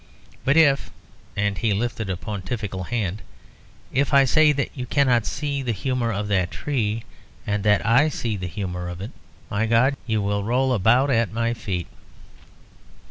But if" and he lifted a pontifical hand "if I say that you cannot see the humour of that tree, and that I see the humour of it my God! you will roll about at my feet."